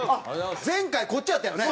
前回こっちやったよね？